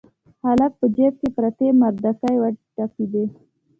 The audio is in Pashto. هلک په جيب کې پرتې مردکۍ وټکېدې.